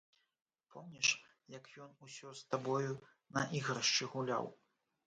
Помніш, як ён усё з табою на ігрышчы гуляў?